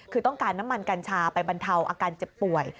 คือต้องการน้ำมันกัญชาไปบรรเทาอาการเจ็บป่วย